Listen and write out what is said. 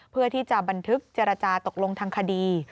เพื่อที่จะบันทึกเจรจาตกลงทางคดี